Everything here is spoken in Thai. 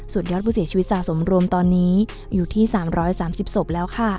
ส่วนยอดผู้เสียชีวิตสะสมรวมตอนนี้อยู่ที่๓๓๐ศพแล้วค่ะ